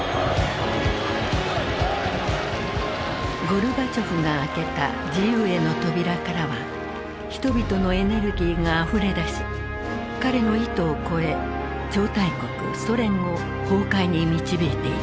ゴルバチョフが開けた自由への扉からは人々のエネルギーがあふれ出し彼の意図を超え超大国ソ連を崩壊に導いていく。